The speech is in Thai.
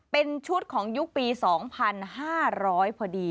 เป็นชุดของยุคปี๒๕๐๐พอดี